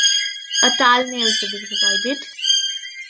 A towel may also be provided.